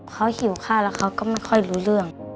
เขาหิวข้าวแล้วเขาก็ไม่ค่อยรู้เรื่อง